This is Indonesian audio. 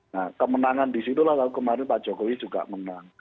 nah kemenangan disitulah lalu kemarin pak jokowi juga menang